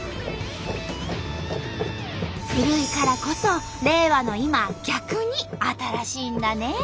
古いからこそ令和の今逆に新しいんだね。